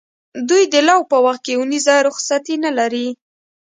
دوی د لو په وخت کې اونیزه رخصتي نه لري.